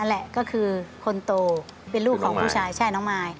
แหละก็คือคนโตเป็นลูกของผู้ชายใช่น้องมาย